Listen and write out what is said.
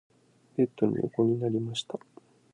ベッドに横になりました。